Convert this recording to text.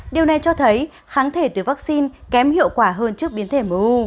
điều này cho thấy kháng thể từ vaccine kém hiệu quả hơn trước biến thể mu